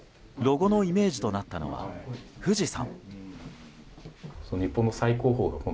ロゴのイメージとなったのは富士山。